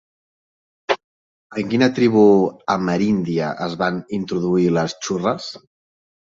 En quina tribu ameríndia es van introduir les xurres?